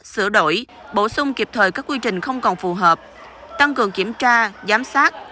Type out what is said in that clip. sửa đổi bổ sung kịp thời các quy trình không còn phù hợp tăng cường kiểm tra giám sát